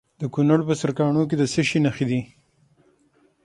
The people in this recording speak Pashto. د کونړ په سرکاڼو کې د څه شي نښې دي؟